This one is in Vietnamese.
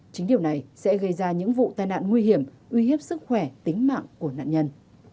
chính điều này sẽ gây ra những vụ tai nạn nguy hiểm uy hiếp sức khỏe tính mạng của nạn nhân